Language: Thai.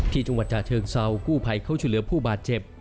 ที่จังหวัดจาเชิงเซาคู่ไพเข้าชุดเหลือผู้บาดเจ็บ